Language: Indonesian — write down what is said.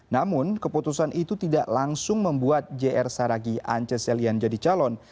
namun keputusan itu tidak langsung membuat jr saragi ance selian jadi calon